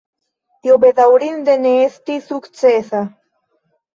Tio bedaŭrinde ne estis sukcesa.